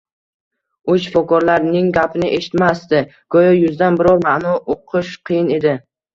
U shifokorlarning gapini eshitmasdi go`yo yuzdan biror ma`no uqish qiyin edi